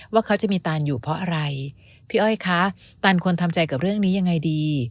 ว่าเขาจะมีตันอยู่เพราะอะไรพี่อ้อยคะตันควรทำใจกับเรื่องนี้ยังไงดี